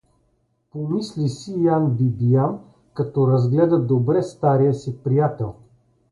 Помисли си Ян Бибиян, като разгледа добре стария си приятел.